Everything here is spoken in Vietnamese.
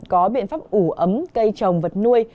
có biện pháp ủ ấm cây trồng vật nuôi